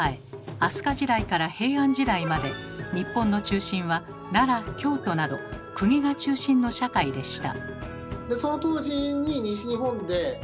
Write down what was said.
飛鳥時代から平安時代まで日本の中心は奈良・京都など公家が中心の社会でした。